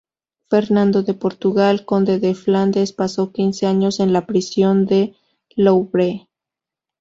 Fernando de Portugal, conde de Flandes pasó quince años en la prisión del Louvre.